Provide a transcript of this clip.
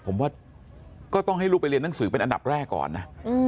ผมว่าก็ต้องให้ลูกไปเรียนหนังสือเป็นอันดับแรกก่อนนะ